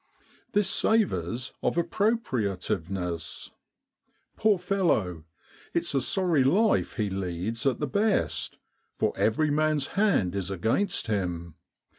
This savours of appropriativeness. Poor fellow! it's a sorry life he leads at the best, for every man's hand is against him.